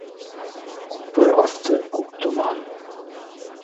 Күпер аҫты күк томан